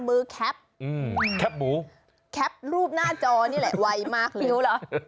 มือแคปแคปหมูแคปรูปหน้าจอนี่แหละวัยมากเลย